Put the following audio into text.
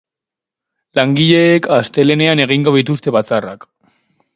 Langileek astelehenean egingo dituzte batzarrak.